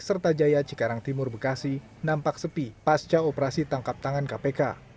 serta jaya cikarang timur bekasi nampak sepi pasca operasi tangkap tangan kpk